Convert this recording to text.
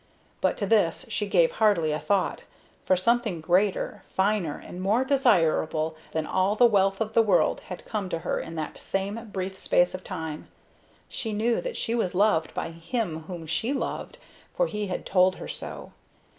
But to this she gave hardly a thought, for something greater, finer, and more desirable than all the wealth of the world had come to her in that same brief space of time. She knew that she was loved by him whom she loved, for he had told her so.